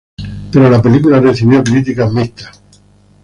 Pero la película recibió críticas mixtas.